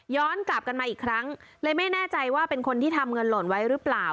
กลับกันมาอีกครั้งเลยไม่แน่ใจว่าเป็นคนที่ทำเงินหล่นไว้หรือเปล่า